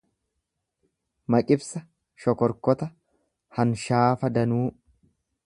Maqibsa shokorkota, hanshaafa danuu